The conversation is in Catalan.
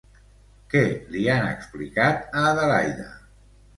Què li han explicat a Adelaida?